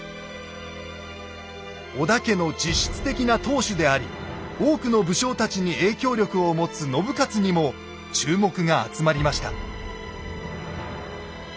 織田家の実質的な当主であり多くの武将たちに影響力を持つ信雄にも注目が集まりました。